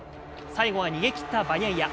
最後は逃げ切ったバニャイア。